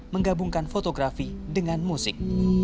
menggabungkan fotografi dengan musik